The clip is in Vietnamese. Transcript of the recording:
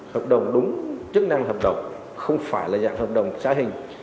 hợp đồng đúng chức năng hợp đồng không phải là dạng hợp đồng xã hình